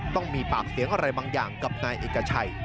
ต้องมีปากเสียงอะไรบางอย่างกับนายเอกชัย